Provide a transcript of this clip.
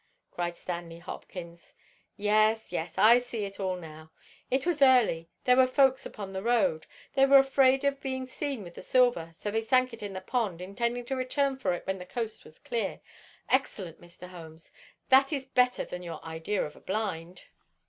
cried Stanley Hopkins. "Yes, yes, I see it all now! It was early, there were folk upon the roads, they were afraid of being seen with the silver, so they sank it in the pond, intending to return for it when the coast was clear. Excellent, Mr. Holmes—that is better than your idea of a blind."